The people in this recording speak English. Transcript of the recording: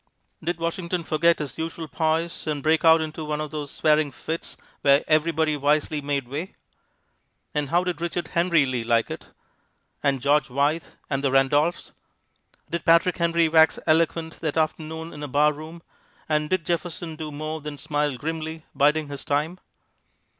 Did Washington forget his usual poise and break out into one of those swearing fits where everybody wisely made way? And how did Richard Henry Lee like it, and George Wythe, and the Randolphs? Did Patrick Henry wax eloquent that afternoon in a barroom, and did Jefferson do more than smile grimly, biding his time?